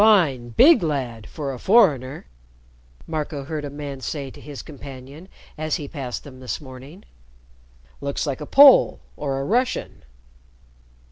"Fine, big lad for a foreigner," Marco heard a man say to his companion as he passed them this morning. "Looks like a Pole or a Russian."